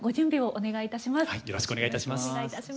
お願いいたします。